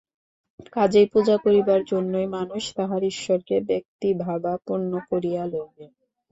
কাজেই পূজা করিবার জন্যই মানুষ তাহার ঈশ্বরকে ব্যক্তিভাবাপন্ন করিয়া লইবে।